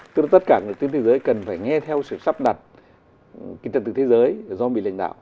tức là tất cả người tiến thế giới cần phải nghe theo sự sắp đặt kinh tật từ thế giới do mỹ lãnh đạo